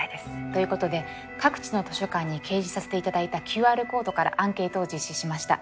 ということで各地の図書館に掲示させて頂いたＱＲコードからアンケートを実施しました。